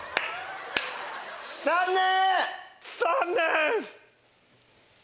残念！